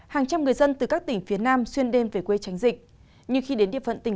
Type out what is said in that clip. hàng trăm người dân từ các tỉnh phía nam xuyên đêm về quê tránh dịch nhưng khi đến địa phận tỉnh